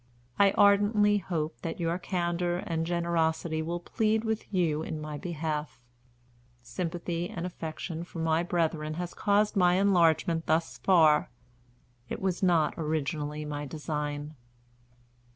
I ardently hope that your candor and generosity will plead with you in my behalf. Sympathy and affection for my brethren has caused my enlargement thus far; it was not originally my design.